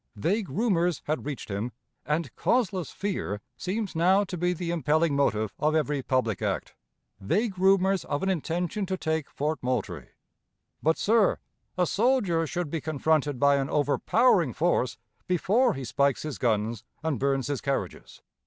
Vague rumors had reached him and causeless fear seems now to be the impelling motive of every public act vague rumors of an intention to take Fort Moultrie. But, sir, a soldier should be confronted by an overpowering force before he spikes his guns and burns his carriages.